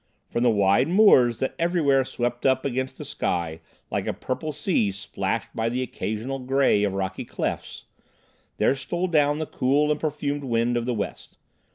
From the wide moors that everywhere swept up against the sky, like a purple sea splashed by the occasional grey of rocky clefts, there stole down the cool and perfumed wind of the west.